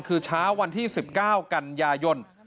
คือเช้าวันที่๑๙กันยายน